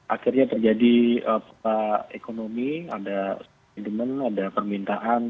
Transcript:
akhirnya terjadi ekonomi ada speedment ada permintaan